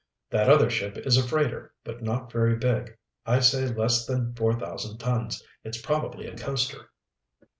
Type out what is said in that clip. "That other ship is a freighter, but not very big. I'd say less than four thousand tons. It's probably a coaster."